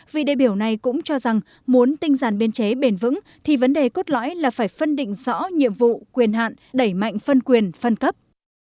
vị đại biểu này cũng cho rằng muốn tinh giản biên chế bền vững thì vấn đề cốt lõi là phải phân định rõ nhiệm vụ quyền hạn đẩy mạnh phân quyền phân cấp